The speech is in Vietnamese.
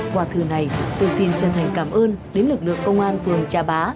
qua thư này tôi xin chân thành cảm ơn đến lực lượng công an phường cha bá